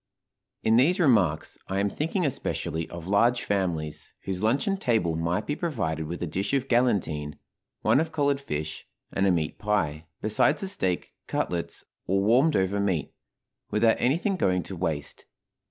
In these remarks I am thinking especially of large families, whose luncheon table might be provided with a dish of galantine, one of collared fish, and a meat pie, besides the steak, cutlets, or warmed over meat, without anything going to waste.